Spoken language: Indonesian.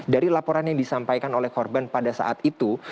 dari laporan yang disampaikan oleh korban pada saat itu